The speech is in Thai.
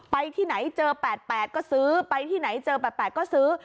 ไปที่ไหนเจอ๘๘ก็ซื้อไปที่ไหนเจอ๘๘ก็ซื้อ